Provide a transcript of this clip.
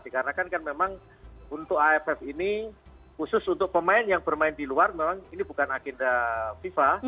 karena kan memang untuk aff ini khusus untuk pemain yang bermain di luar memang ini bukan agenda fifa